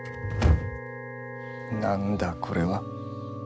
なんだ、これは。